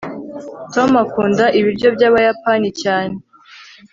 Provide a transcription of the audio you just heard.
tom akunda ibiryo byabayapani cyane